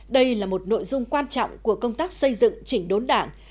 đây là một nội dung quan trọng của công tác xây dựng chỉnh đốn đảng